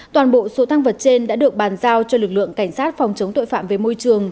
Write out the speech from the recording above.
toàn bộ số thăng vật trên đã được bàn giao cho lực lượng cảnh sát phòng chống tội phạm về môi trường